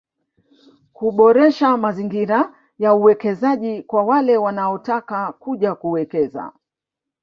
Kuboresha mazingira ya uwekezaji kwa wale wanaotaka kuja kuwekeza